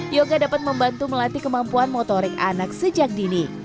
yoga dapat membantu melatih kemampuan motorik anak sejak dini